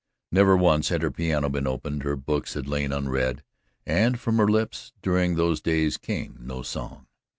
Never once had her piano been opened, her books had lain unread, and from her lips, during those days, came no song.